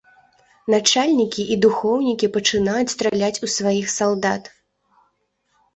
Начальнікі і духоўнікі пачынаюць страляць у сваіх салдат.